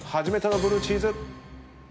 初めてのブルーチーズ！